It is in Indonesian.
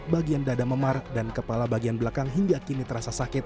bagian dada memar dan kepala bagian belakang hingga kini terasa sakit